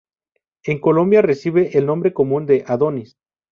En Colombia reciben el nombre común de adonis.